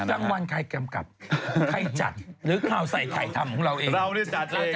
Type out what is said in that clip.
รางวัลใครกำกับใครจัดหรือข่าวใส่ไข่ทำของเราเอง